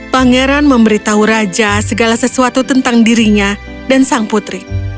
pangeran memberitahu raja segala sesuatu tentang dirinya dan sang putri